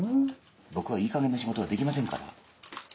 僕はいいかげんな仕事はできませんから。